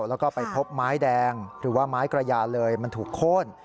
แล้วก็ไปพบไม้แดงหรือว่าไม้กระยาเลยมันถูกโค้น